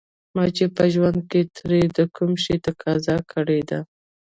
ما چې په ژوند کې ترې د کوم شي تقاضا کړې ده.